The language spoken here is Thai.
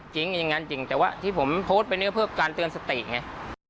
จริงอย่างนั้นจริงแต่ว่าที่ผมโพสต์ไปเนี่ยเพื่อการเตือนสติไง